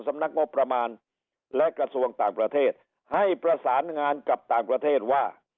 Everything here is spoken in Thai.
สำนักงบประมาณและกระทรวงต่างประเทศให้ประสานงานกับต่างประเทศว่า